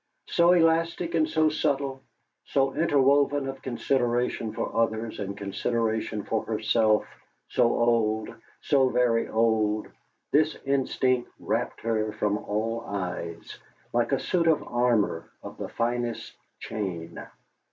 So elastic and so subtle, so interwoven of consideration for others and consideration for herself, so old, so very old, this instinct wrapped her from all eyes, like a suit of armour of the finest chain.